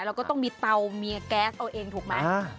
เราก็ต้องมีเตาเมียแก๊สเอาเองถูกมั้ย